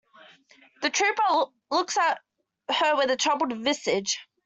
The trooper looks at her with a troubled visage.